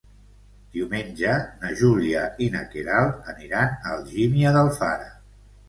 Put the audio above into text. Diumenge na Júlia i na Queralt aniran a Algímia d'Alfara.